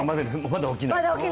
まだ起きない！